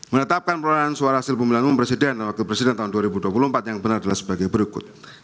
menetapkan perolahan suara hasil pemilihan umum presiden dan wakil presiden tahun dua ribu dua puluh empat yang benar adalah sebagai berikut